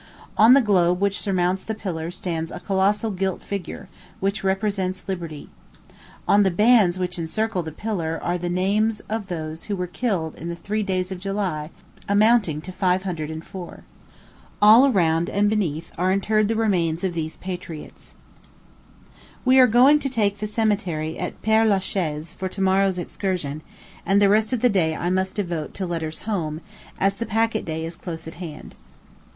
On the globe which surmounts the pillar stands a colossal gilt figure, which represents Liberty. On the bands which encircle the pillar are the names of those who were killed in the three days of July, amounting to fire hundred and four. All around and beneath are interred the remains of these patriots. [Illustration: Colonne de Juillet.] We are going to take the Cemetery at Père la Chaise for to morrow's excursion; and the rest of the day I must devote to letters home, as the packet day is close at hand.